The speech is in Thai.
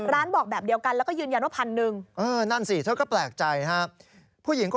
ร้านบอกแบบเดียวกันแล้วก็ยืนยันว่า๑๐๐๐หนึ่ง